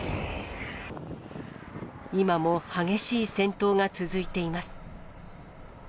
今も激しい戦闘が続いています。